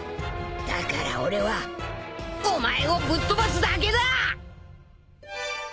だから俺はお前をぶっ飛ばすだけだ！